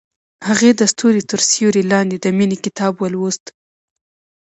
هغې د ستوري تر سیوري لاندې د مینې کتاب ولوست.